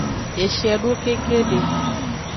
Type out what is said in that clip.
Eshiedo kekede.